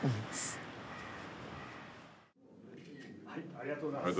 ありがとうございます。